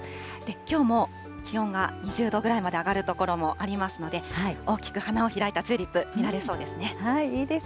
きょうも気温が２０度ぐらいまで上がる所もありますので、大きく花を開いたチューリップ、見られそうですね。